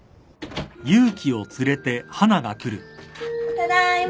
ただいま。